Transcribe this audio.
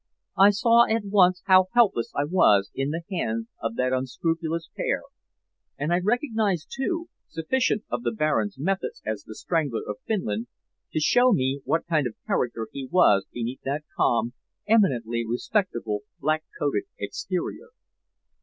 I saw at once how helpless I was in the hands of that unscrupulous pair, and I recognized, too, sufficient of the Baron's methods as 'The Strangler of Finland,' to show me what kind of character he was beneath that calm, eminently respectable black coated exterior.